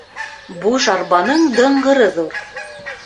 Буш арбаның дыңғыры ҙур.